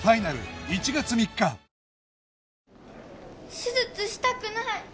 手術したくない！